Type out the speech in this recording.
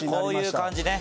こういう感じね！